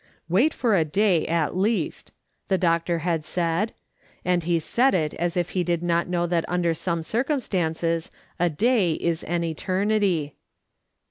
" Wait for a day, at least !" the doctor said, and he said it as if he did not know that under some circumstances a day is an eternity.